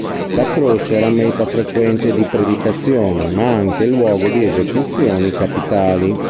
La croce era meta frequente di predicazione, ma anche luogo di esecuzioni capitali.